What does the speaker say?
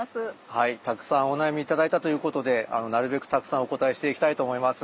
はいたくさんお悩み頂いたということでなるべくたくさんお答えしていきたいと思います。